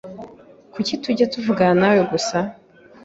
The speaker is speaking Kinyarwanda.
Kuki ntajya kuvuganawe nawe gusa?